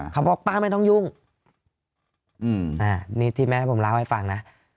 เขาบอกป้าไม่ต้องยุ่งนี่ที่แม่ผมเล่าให้ฟังนะ